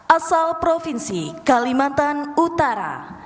asal provinsi kalimantan utara